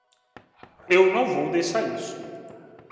Eu não vou deixar isso.